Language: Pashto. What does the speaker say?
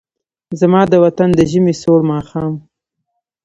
زما د وطن د ژمې سوړ ماښام